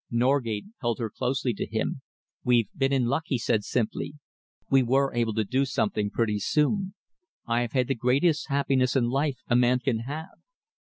Norgate held her closely to him. "We've been in luck," he said simply. "We were able to do something pretty soon. I have had the greatest happiness in life a man can have.